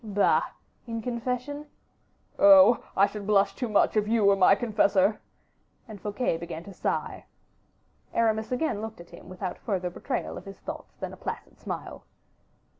"Bah! in confession." "Oh! I should blush too much if you were my confessor." And Fouquet began to sigh. Aramis again looked at him without further betrayal of his thoughts than a placid smile.